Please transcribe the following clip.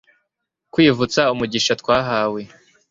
kwivutsa umugisha twahawe